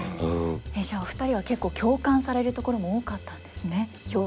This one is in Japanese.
じゃあお二人は結構共感されるところも多かったんですね。